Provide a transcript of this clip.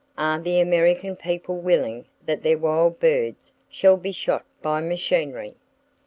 —Are the American people willing that their wild birds shall be shot by machinery?